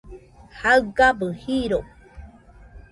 jaɨgabɨ jiro